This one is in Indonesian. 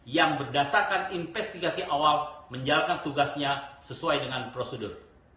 yang berdasarkan investigasi awal menjalankan tugasnya sesuai dengan prosedur